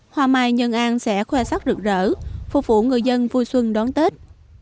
hoa mai nhân an sẽ khoe sắc rực rỡ phục vụ người dân vui xuân đón tết